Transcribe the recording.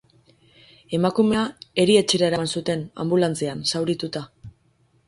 Emakumea erietxera eraman zuten, anbulantzian, zaurituta.